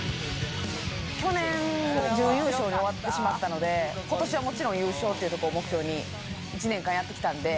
去年、準優勝に終わってしまったので、ことしはもちろん優勝というところを目標に１年間やってきたんで。